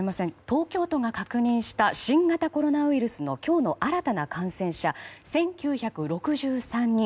東京都が確認した新型コロナウイルスの今日の新たな感染者は１９６３人。